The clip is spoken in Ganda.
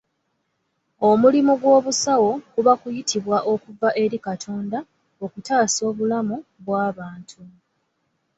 Omulimu gw'obusawo kuba kuyitibwa okuva eri Katonda okutaasa obulamu bw'abantu.